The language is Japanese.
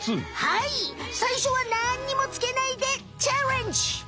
はいさいしょは何にもつけないでチャレンジ！